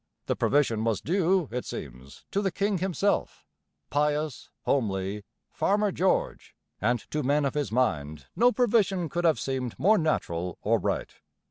The provision was due, it seems, to the king himself, pious, homely 'Farmer George'; and to men of his mind no provision could have seemed more natural or right.